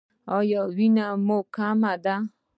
ایا وینه مو کمه ده؟